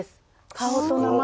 顔と名前。